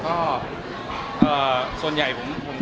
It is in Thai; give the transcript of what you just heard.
ก็พยายามทำเป็นพี่ที่สุดครับ